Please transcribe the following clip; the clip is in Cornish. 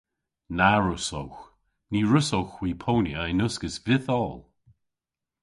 Na wrussowgh. Ny wrussowgh hwi ponya yn uskis vytholl.